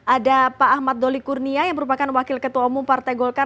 ada pak ahmad doli kurnia yang merupakan wakil ketua umum partai golkar